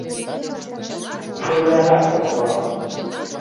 Мелиоратор улам.